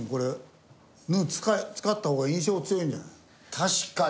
確かに。